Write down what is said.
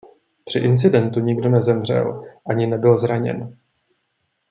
Při incidentu nikdo nezemřel ani nebyl zraněn.